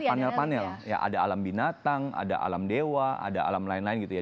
panel panel ya ada alam binatang ada alam dewa ada alam lain lain gitu ya